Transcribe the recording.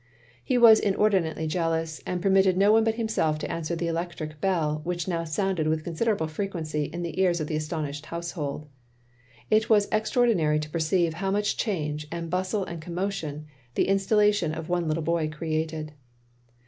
He was inordinately jealous, and permitted no one but himself to answer the electric bell, which now sounded with considerable frequency in the ears of the astonished household. It was extraordinary to perceive how much change, and bustle, and commotion, the installa tion of one little boy created.